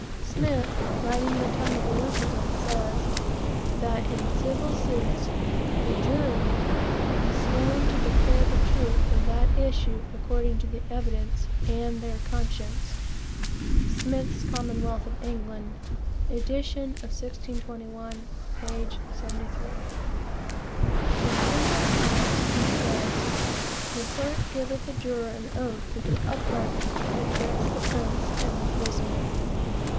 Smith, writing in the time of Elizabeth, says that, in civil suits, the jury "be sworn to declare the truth of that issue according to the evidence, and their conscience." Smith's Commonwealth of England. edition of 1621, p. 73. In criminal trials, he says: "The clerk giveth the juror an oath to go uprightly betwixt the prince and the prisoner."